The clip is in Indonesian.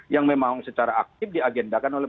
yang memang secara aktif diagendakan oleh